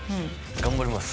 頑張ります。